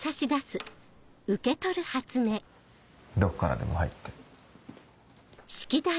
どこからでも入って。